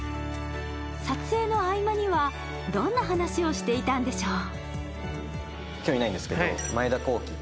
撮影の合間にはどんな話をしていたんでしょう？